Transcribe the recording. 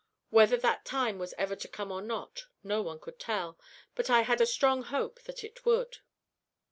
Whether that time was ever to come or not, no one could tell; but I had strong hope that it would.